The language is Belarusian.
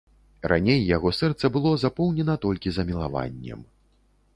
Раней яго сэрца было запоўнена толькі замілаваннем.